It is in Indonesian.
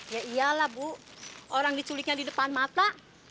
ya iyalah bu orang diculiknya di depan mata